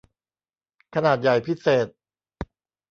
ขนาดใหญ่พิเศษ